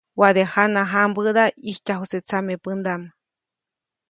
Waʼade jana jãmbäda ʼijtyajuse tsamepändaʼm.